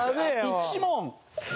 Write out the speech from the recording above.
１問？